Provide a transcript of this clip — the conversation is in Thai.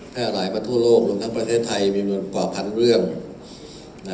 หลายมาทั่วโลกรวมทั้งประเทศไทยมีมวลกว่าพันเรื่อง